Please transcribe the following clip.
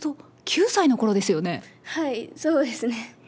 計算すはい、そうですね。